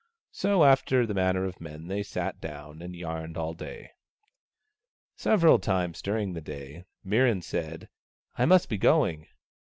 So after the manner of men, they sat down and yarned all day. Several times during the day Mirran said, " I must be going."